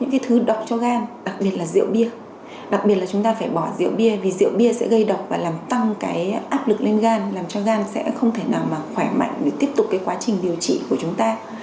không thể nào mà khỏe mạnh để tiếp tục quá trình điều trị của chúng ta